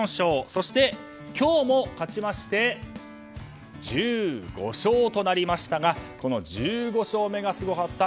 そして今日も勝ちまして１５勝となりましたがこの１５勝目がすごかった。